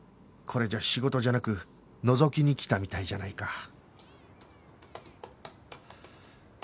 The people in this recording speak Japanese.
これじゃ仕事じゃなくのぞきに来たみたいじゃないか